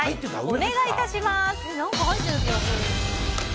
お願い致します。